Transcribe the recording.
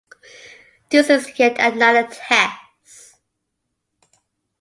This is yet another test.